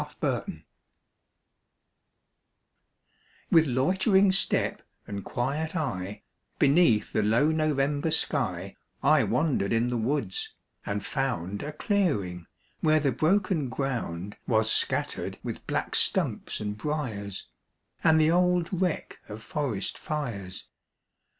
IN NOVEMBER With loitering step and quiet eye, Beneath the low November sky, I wandered in the woods, and found A clearing, where the broken ground Was scattered with black stumps and briers, And the old wreck of forest fires.